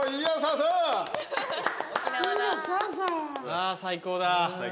あ最高だ。